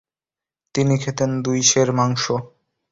তিনি খেতেন দুই সের মাংস।